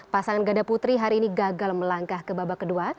pasangan ganda putri hari ini gagal melangkah ke babak kedua